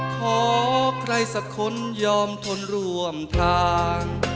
ขอใครสักคนยอมทนร่วมทาง